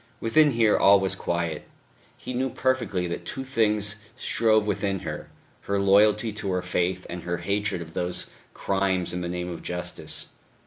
Within here all was quiet. He knew perfectly that two things strove within her, her loyalty to her faith and her hatred of those crimes in the name of justice.